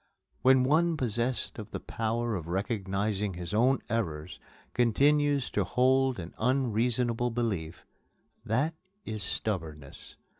When one possessed of the power of recognizing his own errors continues to hold an unreasonable belief that is stubbornness.